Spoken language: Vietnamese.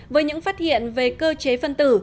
với những phát hiện về cơ chế phân tử